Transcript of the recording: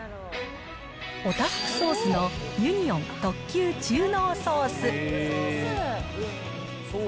オタフクソースのユニオン特級中濃ソース。